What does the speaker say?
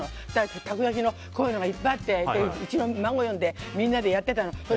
たこ焼きの具がいっぱいあってうちの孫を呼んでみんなでやってたの。